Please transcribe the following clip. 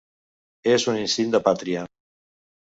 És un instint de pàtria.